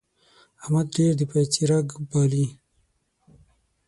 احمد ډېر د پايڅې رګی پالي.